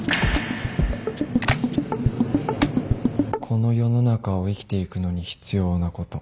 この世の中を生きていくのに必要なこと